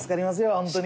本当に。